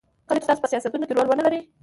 کله چې تاسو په سیاستونو کې رول ونلرئ.